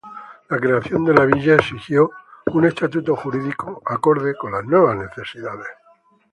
La creación de la villa exigió un estatuto jurídico acorde con las nuevas necesidades.